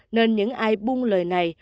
nên những ai buông lời này